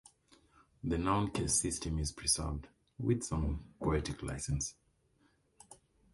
The noun case system is preserved (with some poetic licence).